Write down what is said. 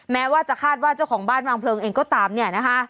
แม้ว่าจะคาดว่าเจ้าของบ้านวางเพลิงเองก็ตามเนี่ยนะคะ